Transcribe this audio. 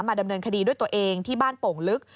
ดำเนินคดีด้วยตัวเองที่บ้านโป่งลึก